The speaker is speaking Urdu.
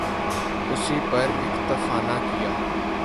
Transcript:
اسی پہ اکتفا نہ کیا۔